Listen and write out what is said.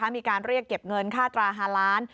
มีการเรียกเก็บเงินค่าตรา๕ล้าน